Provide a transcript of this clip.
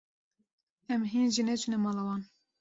Em hîn jî neçûne mala wan.